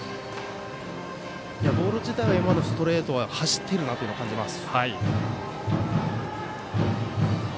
ボール自体は今のストレートは走っているなというのを感じます。